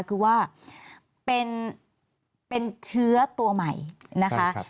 คือว่าเป็นเชื้อตัวใหม่นะคะ